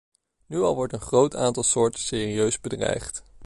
Nu al wordt een groot aantal soorten serieus bedreigd.